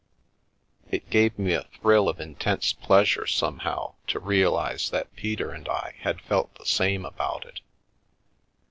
It gave me a thrill of intense pleasure, somehow, to realise that Peter and I had felt the same about it.